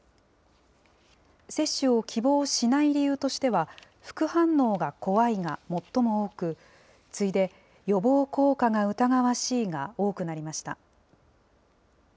接種を希望しない理由としては、副反応が怖いが最も多く、次いで予防効果が疑わしいが多くなりました。